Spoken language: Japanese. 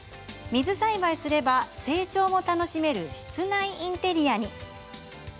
水栽培すれば成長も楽しめる室内インテリアに。